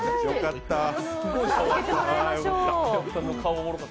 よかった。